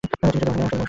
তিনি যুদ্ধে অংশ নেন।